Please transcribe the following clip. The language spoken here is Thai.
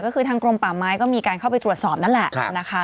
ก็คือทางกรมป่าไม้ก็มีการเข้าไปตรวจสอบนั่นแหละนะคะ